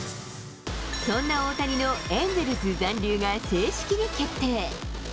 そんな大谷のエンゼルス残留が正式に決定。